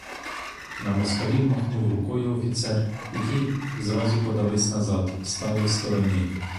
На москалів махнув рукою офіцер і ті зразу подались назад, стали в стороні.